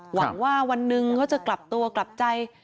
หวังว่าวันหนึ่งเขาจะกลับตัวกลับใจ